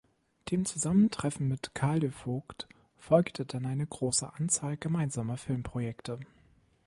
Dem Zusammentreffen mit Carl de Vogt folgte dann eine große Anzahl gemeinsamer Filmprojekte.